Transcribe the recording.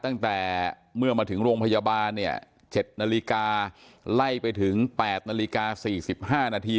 ตั้งแต่เมื่อมาถึงโรงพยาบาลเนี่ย๗นาฬิกาไล่ไปถึง๘นาฬิกา๔๕นาที